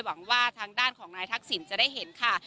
หวังว่าทางด้านของนายทักษิณจะได้เห็นค่ะ